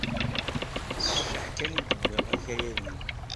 S cceḥ kan i d-wwiɣ akayad-nni.